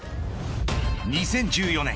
２０１４年